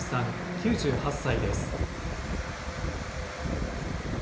９８歳です。